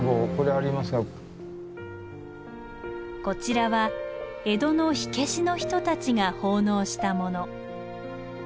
こちらは江戸の火消しの人たちが奉納したもの。